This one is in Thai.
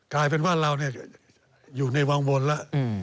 กลายเป็นว่าเราอยู่ในวังบนแล้ว